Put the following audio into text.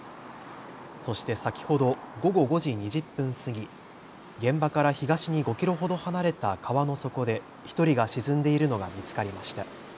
そして先ほど午後５時２０分過ぎ、現場から東に５キロほど離れた川の底で１人が沈んでいるのが見つかりました。